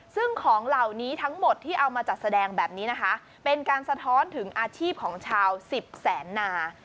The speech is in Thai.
ซึ่งของเหล่านี้ทั้งหมดที่เอามาจัดแสดงแบบนี้นะคะเป็นการสะท้อนถึงอาชีพของชาวสิบแสนนา